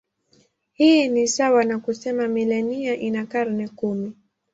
Hii ni sawa na kusema milenia ina karne kumi.